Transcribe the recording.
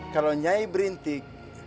kalau nyai berintik